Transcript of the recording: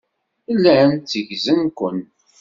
Llan tteggzen-ken.